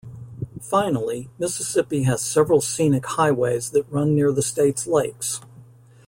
Finally, Mississippi has several scenic highways that run near the state's lakes.